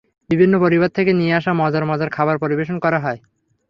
বিভিন্ন পরিবার থেকে নিয়ে আসা মজার মজার খাবার পরিবেশন করা হয়।